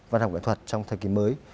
văn hóa kỹ thuật trong thời kỳ mới